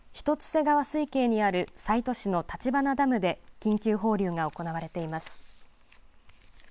瀬川水系にある西都市の立花ダムで緊急放流が行われています。